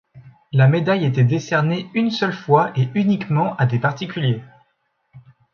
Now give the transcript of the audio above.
La médaille était décernée une seule fois et uniquement à des particuliers.